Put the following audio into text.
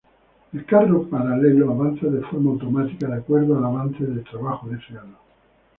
El carro paralelo avanza de forma automática de acuerdo al avance de trabajo deseado.